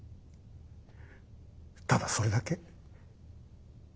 ただそれだけ。